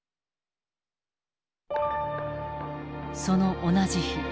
その同じ日。